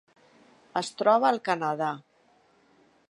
Es troba al Canadà.